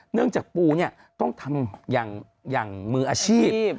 จากปูเนี่ยต้องทำอย่างมืออาชีพ